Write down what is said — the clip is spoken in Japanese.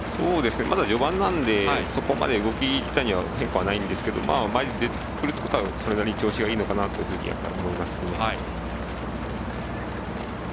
まだ序盤なのでそこまで動き自体には変化はないんですが前に出てくるということはそれなりに調子がいいのかなというふうに思いますね。